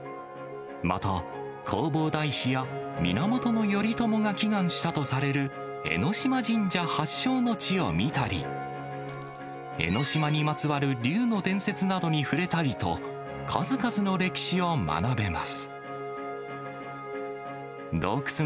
また、弘法大師や源頼朝が祈願したとされる、江島神社発祥の地を見たり、江の島にまつわる龍の伝説などに触れたりと、数々の歴史を学べます。